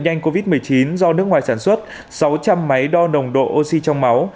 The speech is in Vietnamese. nhanh covid một mươi chín do nước ngoài sản xuất sáu trăm linh máy đo nồng độ oxy trong máu